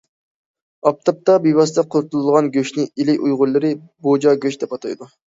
ئاپتاپتا بىۋاسىتە قۇرۇتۇلغان گۆشنى ئىلى ئۇيغۇرلىرى‹‹ بوجا گۆش›› دەپ ئاتايدۇ.